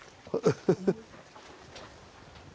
フフフッ。